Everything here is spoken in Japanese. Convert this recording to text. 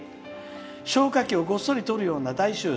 消化器をごっそりとるような大手術。